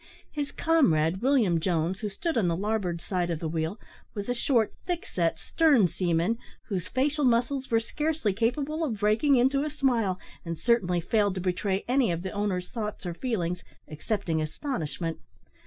His comrade, William Jones, who stood on the larboard side of the wheel, was a short, thick set, stern seaman, whose facial muscles were scarcely capable of breaking into a smile, and certainly failed to betray any of the owner's thoughts or feelings, excepting astonishment.